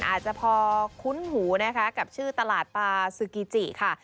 อาจจะพอคุ้นหูนะคะกับชื่อตลาดปาซึกิค่ะ